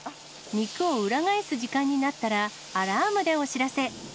肉を裏返す時間になったら、アラームでお知らせ。